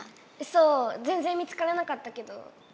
そうぜんぜん見つからなかったけど。